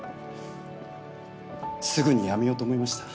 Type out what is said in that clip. すぐに辞めようと思いました。